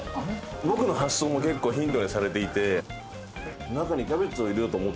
僕の発想も結構ヒントにされていて。